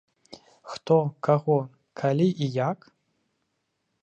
Хто, каго, калі і як?